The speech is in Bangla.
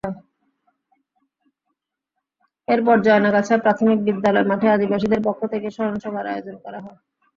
এরপর জয়নাগাছা প্রাথমিক বিদ্যালয় মাঠে আদিবাসীদের পক্ষ থেকে স্মরণসভার আয়োজন করা হয়।